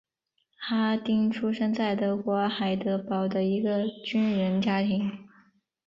哈丁出生在德国海德堡的一个军人家庭。